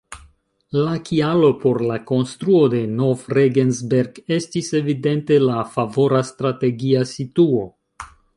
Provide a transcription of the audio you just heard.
La kialo por la konstruo de Nov-Regensberg estis evidente la favora strategia situo.